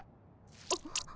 あっ。